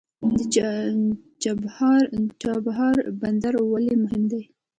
د چابهار بندر ولې مهم دی؟